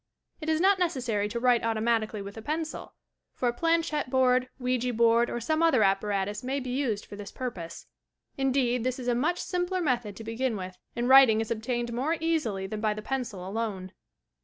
'' It is not necessary to write automatically with a pencil, for a Planchette Board, Ouija Board or some other ap paratus may be used for this purpose. Indeed, this is a much simpler method to begin with, and writing is obtained more easily than by the pencil alone.